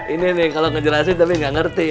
ini nih kalau ngejelasin tapi nggak ngerti